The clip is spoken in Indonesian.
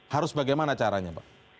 harus bagaimana caranya